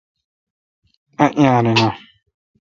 ایّیارینہ